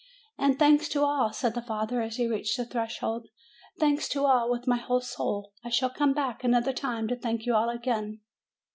"And thanks to all!" said the father, as he reached the threshold. "Thanks to all, with my whole soul! I shall come back another time to thank you all again."